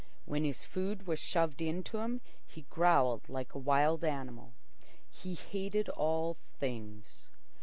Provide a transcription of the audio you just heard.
When his food was shoved in to him, he growled like a wild animal. He hated all things.